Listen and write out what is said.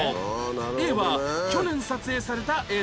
Ａ は去年撮影された映像